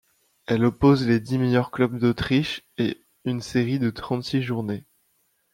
Elle oppose les dix meilleurs clubs d'Autriche en une série de trente-six journées.